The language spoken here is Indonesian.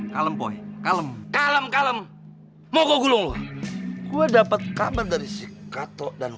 kalem kalem kalem kalem mau gue gulung gua dapet kabar dari si kato dan